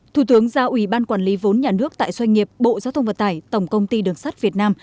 thủ tướng giao ủy ban quản lý vốn nhà nước tại doanh nghiệp bộ giao thông vận tải tổng công ty đường sắt việt nam